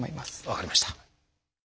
分かりました。